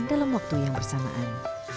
dalam waktu yang bersamaan